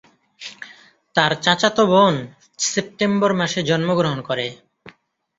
তার চাচাতো বোন সেপ্টেম্বর মাসে জন্মগ্রহণ করে।